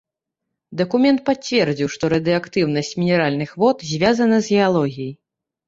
Дакумент пацвердзіў, што радыеактыўнасць мінеральных вод звязана з геалогіяй.